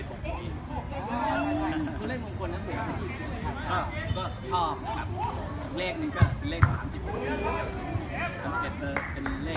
แล้วไปเล่นฮีลาซ์ตอนที่ไหนเขาจะทำเสื้อ